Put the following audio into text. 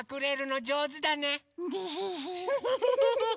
フフフフフ。